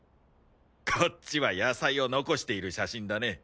こっちは野菜を残している写真だね。